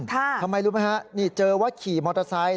ทำไมรู้ไหมฮะนี่เจอว่าขี่มอเตอร์ไซค์